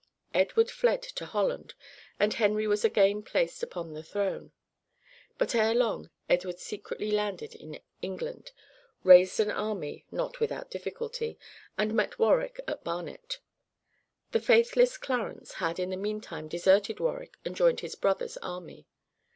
Edward fled to Holland and Henry was again placed upon the throne. But ere long Edward secretly landed in England, raised an army, not without difficulty, and met Warwick at Barnet. The faithless Clarence had in the meantime deserted Warwick and joined his brother's army.